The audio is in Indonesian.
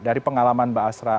dari pengalaman mbak asra